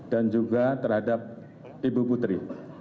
dan juga terhadap ibu putri